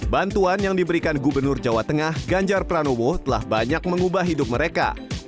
bantuan yang diberikan gubernur jawa tengah ganjar pranowo telah banyak mengubah hidup mereka